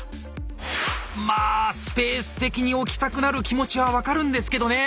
まあスペース的に置きたくなる気持ちは分かるんですけどね。